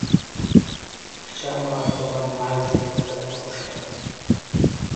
كۇچا مائارىپىغا ناھايىتى زور تۆھپە قوشقان.